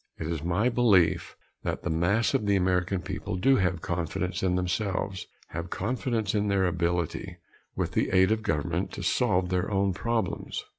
It is my belief that the mass of the American people do have confidence in themselves have confidence in their ability, with the aid of government, to solve their own problems.